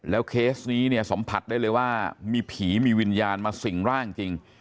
เคสนี้เนี่ยสัมผัสได้เลยว่ามีผีมีวิญญาณมาสิ่งร่างจริง